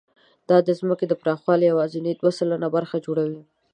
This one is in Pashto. دا د ځمکې د پراخوالي یواځې دوه سلنه برخه جوړوي.